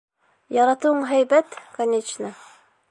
Яратыуың һәйбәт, конечно.